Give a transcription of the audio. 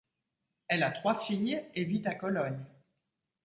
Elle a trois filles et vit à Cologne.